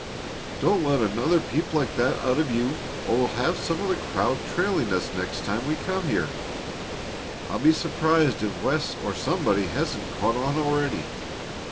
"Don't let another peep like that out of you or we'll have some of the crowd trailing us next time we come here. I'll be surprised if Wes or somebody hasn't caught on already."